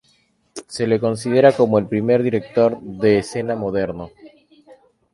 Se le considera como el primer director de escena moderno.